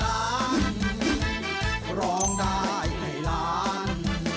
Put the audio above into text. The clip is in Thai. เพราะร้องได้ให้ร้าน